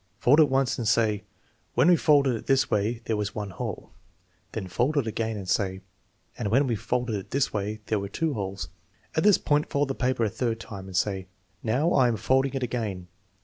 Fold it once and say: " When we folded it this way there was one hole''' Then fold it again and say: "And when we folded it this way there were two holes." At this point fold the paper a third time and say: 66 Now, I am folding it again.